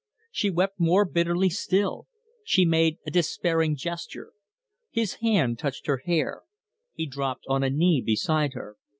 She wept more bitterly still; she made a despairing gesture. His hand touched her hair; he dropped on a knee beside her.